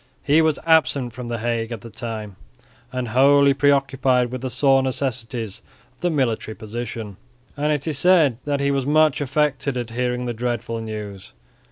He was absent from the Hague at the time and wholly preoccupied with the sore necessities of the military position; and it is said that he was much affected at hearing the dreadful news.